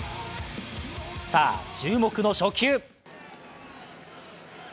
さあ、注目の初球。